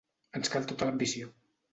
Ens cal tota l’ambició.